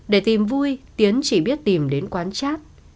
để tìm vui tiến chỉ biết tìm đến quán chat